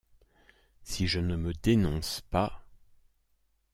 Si je ne me dénonce pas!...